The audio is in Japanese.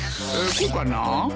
こうかな？